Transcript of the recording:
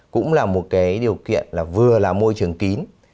cũng là một cái điều kiện là vừa là môi trường kín